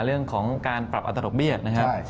เรื่องของการปรับอัตราดอกเบี้ยนะครับ